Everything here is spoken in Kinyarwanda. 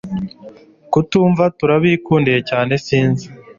tukumva turabikundiye cyane sinzi